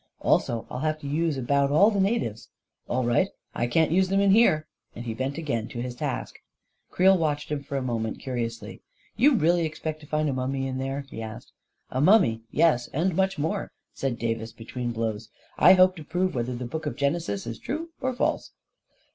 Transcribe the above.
" Also I'll have to use about all the natives." "All right. I can't use them in here," and he bent again to his task. Creel watched him for a moment curiously. 44 You really expect to find a mummy in there ?" he asked. " A mummy — yes — and much more," said Da vis, between blows. " I hope to prove whether the book of Genesis is true or false?